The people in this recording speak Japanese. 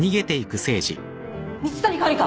蜜谷管理官！？